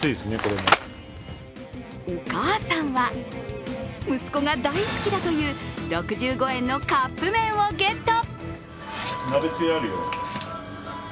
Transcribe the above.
お母さんは、息子が大好きだという６５円のカップ麺をゲット。